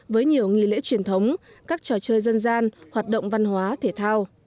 với nhiều nghi lễ truyền thống các trò chơi dân gian hoạt động văn hóa thể thao